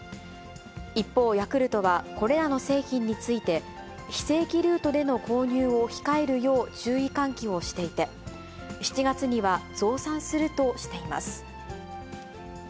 一方、ヤクルトは、これらの製品について、非正規ルートでの購入を控えるよう注意喚起をしていて、７月には増産するとしています。